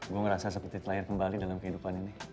gue ngerasa seperti lahir kembali dalam kehidupan ini